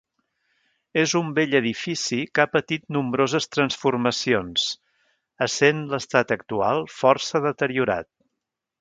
És un vell edifici que ha patit nombroses transformacions essent l'estat actual força deteriorat.